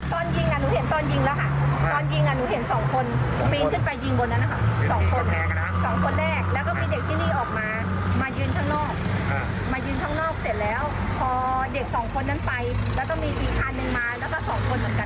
ตอนยิงอ่ะหนูเห็นตอนยิงแล้วค่ะตอนยิงอ่ะหนูเห็นสองคนปีนขึ้นไปยิงบนนั้นค่ะสองคน